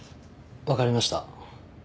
わかりました。